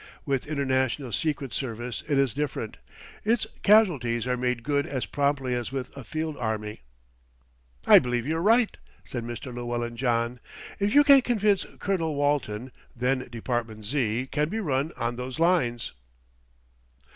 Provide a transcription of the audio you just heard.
"With international secret service it is different; its casualties are made good as promptly as with a field army." "I believe you're right," said Mr. Llewellyn John. "If you can convince Colonel Walton, then Department Z. can be run on those lines."